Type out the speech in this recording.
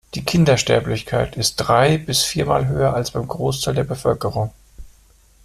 Die Kindersterblichkeit ist dreibis viermal höher als beim Großteil der Bevölkerung.